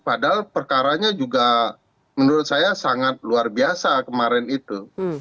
padahal perkaranya juga menurut saya sangat luar biasa kemarin itu